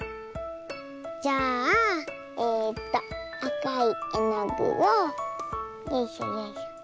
じゃあえっとあかいえのぐをよいしょよいしょ。